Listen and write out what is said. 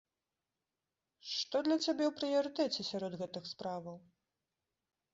Што для цябе ў прыярытэце сярод гэтых справаў?